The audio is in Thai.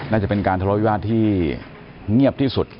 น่าจะเป็นการทะเลาวิวาสที่เงียบที่สุด